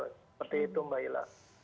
seperti itu mbak hilah